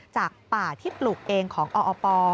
จากป่าที่ปลูกเองของออป